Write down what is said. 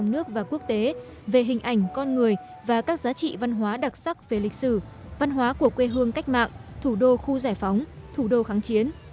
nước và quốc tế về hình ảnh con người và các giá trị văn hóa đặc sắc về lịch sử văn hóa của quê hương cách mạng thủ đô khu giải phóng thủ đô kháng chiến